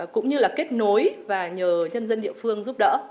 cũng như là kết nối và nhờ nhân dân địa phương giúp đỡ